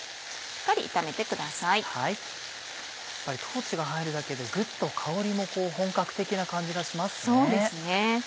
やっぱり豆が入るだけでグッと香りも本格的な感じがしますね。